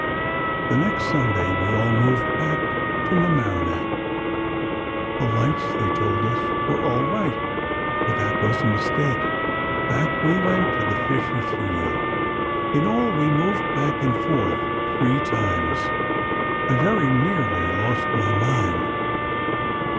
The next Sunday we all moved back to Mamaroneck. The lights, they told us, were all right, but that was a mistake. Back we went to the Fischer studio. In all, we moved back and forth three times. I very nearly lost my mind.